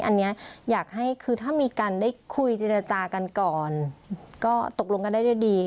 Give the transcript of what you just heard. อันนี้อยากให้คือถ้ามีการได้คุยเจรจากันก่อนก็ตกลงกันได้ด้วยดี